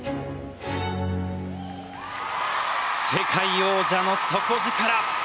世界王者の底力。